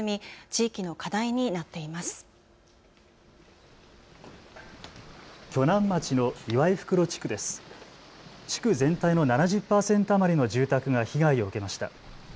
地区全体の７０％余りの住宅が被害を受けました。